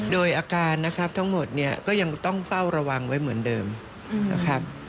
โดยอาการนะครับทั้งหมดเนี่ยก็ยังต้องเฝ้าระวังไว้เหมือนเดิมนะครับ